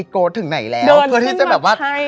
ก็ถึงไหนแล้ว